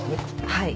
はい。